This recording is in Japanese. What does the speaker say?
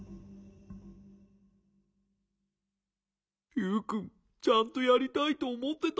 ユウくんちゃんとやりたいとおもってたんだな。